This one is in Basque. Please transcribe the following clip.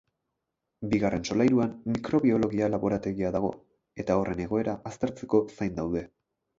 Bigarren solairuan mikrobiologia-laborategia dago, eta horren egoera aztertzeko zain daude.